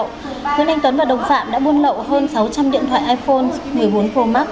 nguyễn anh tuấn và đồng phạm đã buôn lậu hơn sáu trăm linh điện thoại iphone một mươi bốn pro max